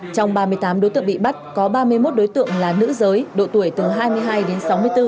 trong ba mươi tám đối tượng bị bắt có ba mươi một đối tượng là nữ giới độ tuổi từ hai mươi hai đến sáu mươi bốn